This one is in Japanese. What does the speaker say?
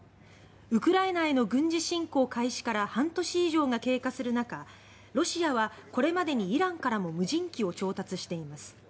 ウクライナへの軍事侵攻開始から半年以上が経過する中ロシアはこれまでにイランからも無人機を調達しています。